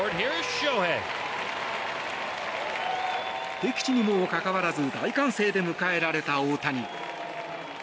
敵地にもかかわらず大歓声で迎えられた大谷。